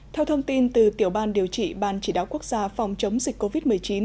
theo thông tin từ tiểu ban điều trị ban chỉ đạo quốc gia phòng chống dịch covid một mươi chín